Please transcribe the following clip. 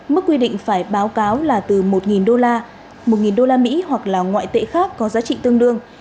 các quy định phải báo cáo là từ một đô la một đô la mỹ hoặc là ngoại tệ khác có giá trị tương đương